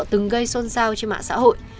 từng gây xôn xao trên mạng xã hội